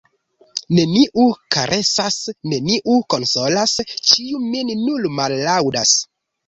Neniu karesas, neniu konsolas, ĉiu min nur mallaŭdas.